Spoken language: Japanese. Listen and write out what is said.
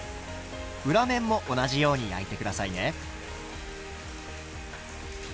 裏面も同じように焼いて下さいね。